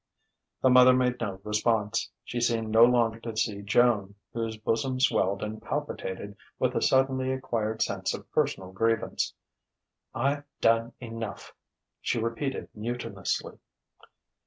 The mother made no response. She seemed no longer to see Joan, whose bosom swelled and palpitated with a suddenly acquired sense of personal grievance. "I've done enough!" she repeated mutinously.